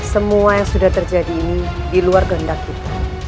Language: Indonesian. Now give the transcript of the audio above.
semua yang sudah terjadi ini di luar kehendak kita